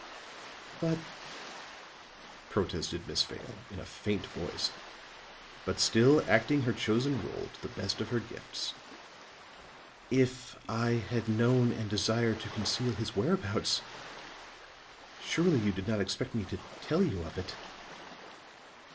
"But," protested Miss Vale in a faint voice, but still acting her chosen role to the best of her gifts, "if I had known and desired to conceal his whereabouts, surely you did not expect me to tell you of it."